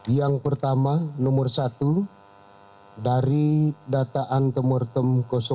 yang pertama nomor satu dari data antemortem satu